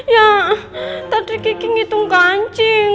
ya tadi gigi ngitung kancing